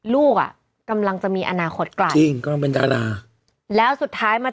ลูกอ่ะกำลังจะมีอนาคตกลางจริงกำลังเป็นดาราแล้วสุดท้ายมา